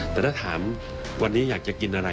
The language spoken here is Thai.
แต่ถ้าถามวันนี้อยากจะกินอะไร